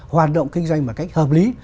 hoạt động kinh doanh bằng cách hợp lý